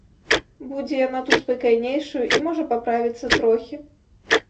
Будзе яна тут спакайнейшаю і можа паправіцца трохі.